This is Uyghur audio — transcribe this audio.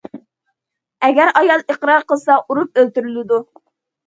ئەگەر ئايال ئىقرار قىلسا، ئۇرۇپ ئۆلتۈرۈلىدۇ.